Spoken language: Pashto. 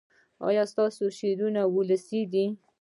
ایا ستاسو شعرونه ولسي دي؟